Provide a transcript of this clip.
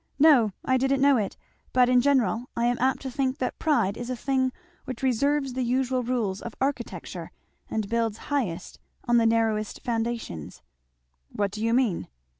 "No, I didn't know it. But in general I am apt to think that pride is a thing which reverses the usual rules of architecture, and builds highest on the narrowest foundations." "What do you mean?"